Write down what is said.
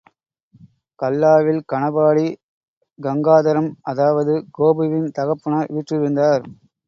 கல்லாவில் கனபாடி கங்காதரம் அதாவது, கோபுவின் தகப்பனார் வீற்றிருந்தார்.